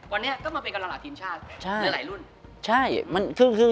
วันนี้ก็มาเป็นกับหลายทีมชาติหลายรุ่น